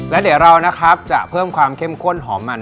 แล้วเดี๋ยวเรานะครับจะเพิ่มความเข้มข้นหอมมัน